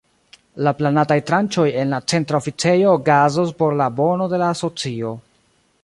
La planataj tranĉoj en la Centra Oficejo okazos por la bono de la asocio.